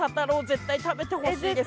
絶対食べてほしいです。